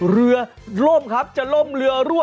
เรือล่มครับจะล่มเรือรั่ว